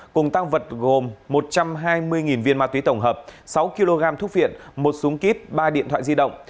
cùng tăng vật gồm một trăm hai mươi viên ma túy tổng hợp sáu kg thuốc viện một súng kíp ba điện thoại di động